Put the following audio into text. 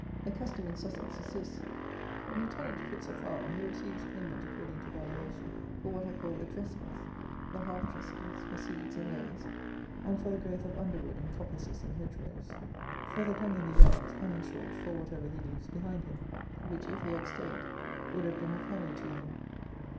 The custom in Sussex is this: when a tenant quits a farm, he receives payment, according to valuation, for what are called the dressings, the half dressings, for seeds and lays, and for the growth of underwood in coppices and hedge rows; for the dung in the yards; and, in short, for whatever he leaves behind him, which, if he had stayed, would have been of value to him.